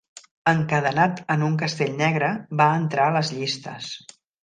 Encadenat en un castell negre, va entrar a les llistes.